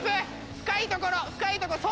深いところ深いとこそう！